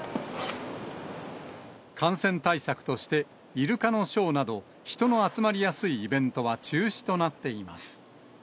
感染対策として、イルカのショーなど、人の集まりやすいイベントは中止となっています。